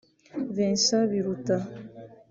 Vincent Biruta